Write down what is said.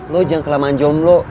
lo jangan kelemahan jom lo